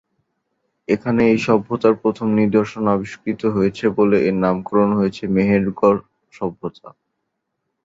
এখানেই এই সভ্যতার প্রথম নিদর্শন আবিষ্কৃত হয়েছে বলে এর নামকরণ হয়েছে মেহেরগড় সভ্যতা।